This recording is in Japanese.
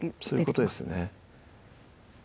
そういうことですね